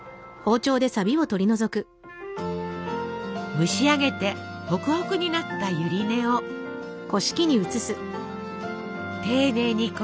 蒸し上げてホクホクになったゆり根を丁寧にこしてなめらかに。